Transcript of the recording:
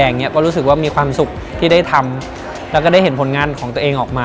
ก็รู้สึกว่ามีความสุขที่ได้ทำแล้วก็ได้เห็นผลงานของตัวเองออกมา